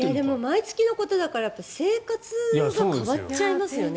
毎月のことだから生活が変わっちゃいますよね。